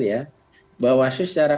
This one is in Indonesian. ya bawaslu secara